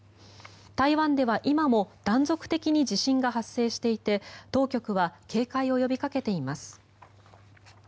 台湾では今も断続的に地震が発生していて当局は警戒を呼びかけています。